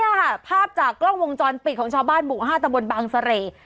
นี่ค่ะภาพจากกล้องวงจรปิดของชาวบ้านหมู่๕ตะบนบางเสร่